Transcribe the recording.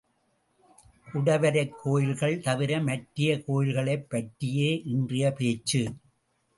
குடைவரைக் கோயில்கள் தவிர மற்றைய கோயில்களைப் பற்றியே இன்றைய பேச்சு.